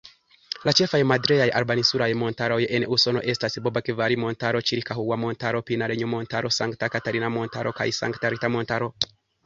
La ĉefaj madreaj-arbarinsulaj montaroj en Usono estas Babokvivari-Montaro, Ĉirikahua-Montaro, Pinalenjo-Montaro, Santa-Katalina-Montaro, kaj Santa-Rita-Montaro.